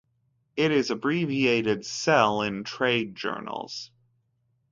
It is abbreviated Sel in trade journals.